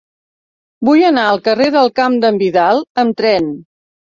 Vull anar al carrer del Camp d'en Vidal amb tren.